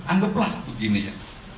anggaplah begini ya